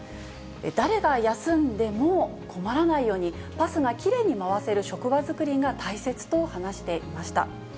誰が休んでも困らないように、パスがきれいに回せる職場作りが大切と話していました。